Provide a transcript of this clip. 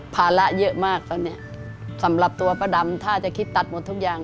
ภาระเยอะมากตอนนี้สำหรับตัวป้าดำถ้าจะคิดตัดหมดทุกอย่าง